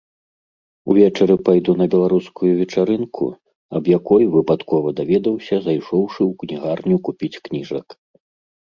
Увечары пайду на беларускую вечарынку, аб якой выпадкова даведаўся, зайшоўшы ў кнігарню купіць кніжак.